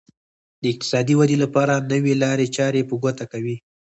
د اقتصادي ودې لپاره نوې لارې چارې په ګوته کوي.